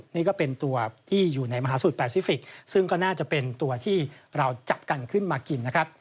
นี่ก็เป็นตัวที่อยู่ในมหาสูตรแปซิฟิกซึ่งก็น่าจะเป็นตัวที่เราจับกันขึ้นมากินนะครับ